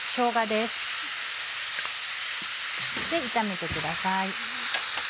で炒めてください。